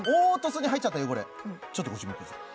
凹凸に入っちゃった汚れちょっとご注目ください